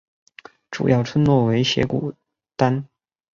主要村落为斜古丹。